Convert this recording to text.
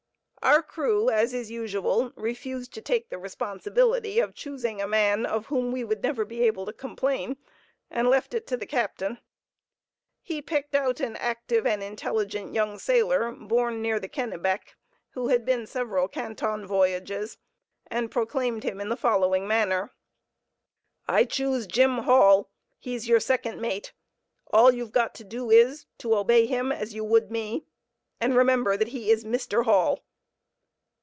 Our crew, as is usual, refused to take the responsibility of choosing a man of whom we would never be able to complain, and left it to the captain. He picked out an active and intelligent young sailor born near the Kennebec, who had been several Canton voyages, and proclaimed him in the following manner: "I choose Jim Hall—he's your second mate. All you've got to do is, to obey him as you would me; and remember that he is Mr. Hall."